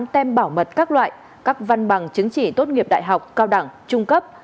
năm trăm chín mươi tám tem bảo mật các loại các văn bằng chứng chỉ tốt nghiệp đại học cao đẳng trung cấp